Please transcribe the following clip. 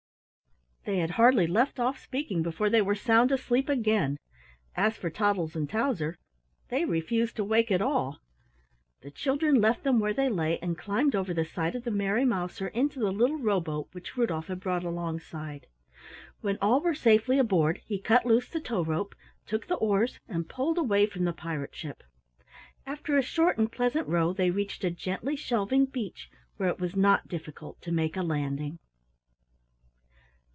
They had hardly left off speaking before they were sound asleep again. As for Toddles and Towser they refused to wake at all. The children left them where they lay and climbed Over the side of the Merry Mouser into the little rowboat which Rudolf had brought alongside. When all were safely aboard, he cut loose the tow rope, took the oars, and pulled away from the pirate ship. After a short and pleasant row they reached a gently shelving beach where it was not difficult to make a landing.